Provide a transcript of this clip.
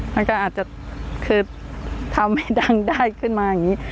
มันก็อาจจะคือทำให้ดังได้ขึ้นมาอย่างนี้